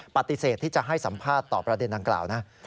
ปฏิเสธที่จะให้สัมภาษณ์ต่อประเด็นดังกล่าวนะ